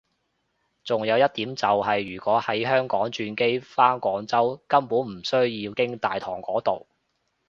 仲有一點就係如果喺香港轉機返廣州根本唔需要經大堂嗰度